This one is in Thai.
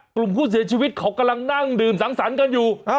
กลุ่มผู้เสียชีวิตเขากำลังนั่งดื่มสังสรรค์กันอยู่